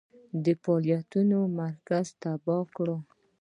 د فعالیتونو مرکز تباه کړ.